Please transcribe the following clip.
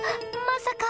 まさか